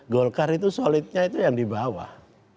golkar itu solidnya itu yang di bawah